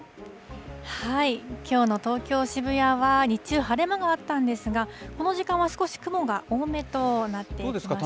きょうの東京・渋谷は日中、晴れ間があったんですが、この時間は少し雲が多めとなってきましたね。